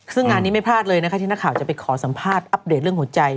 ซึ่งงานนี้ไม่พลาดเลยนะคะที่นักข่าวจะไปขอสัมภาษณ์อัปเดตเรื่องหัวใจ